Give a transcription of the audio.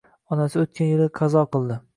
Onasi o‘tgan yili qazo qildi